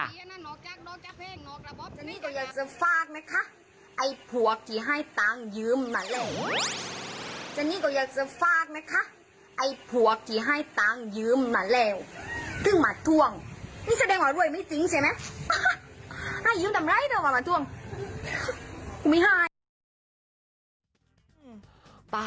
นั่นนอกจากนอกจากเพลงนอกระบบนี้กัน